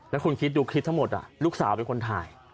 แล้วคุณคิดดูคลิปทั้งหมดลูกสาวเป็นคนถ่าย